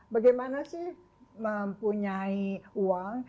bagaimana sih mempunyai uang